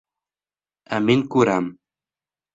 Ә мин күрәм.